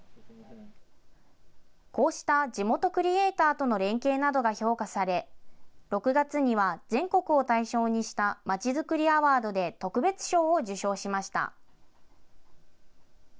こうした地元クリエーターとの連携などが評価され、６月には全国を対象にした街づくりアワードで特別賞を受賞しました。